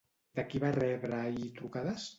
De qui va rebre ahir trucades?